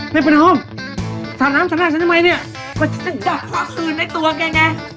แม่ประนอมสั่นน้ำสั่นหน้าฉันทำไมเนี่ยกว่าฉันจะดับความสื่นในตัวแกไง